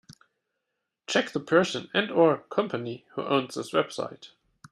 Check the person and/or company who owns this website.